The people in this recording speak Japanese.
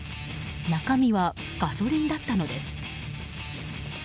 中身はガソリンだったのです。